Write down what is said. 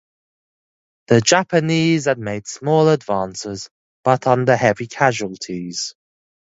The Japanese had made small advances but under heavy casualties.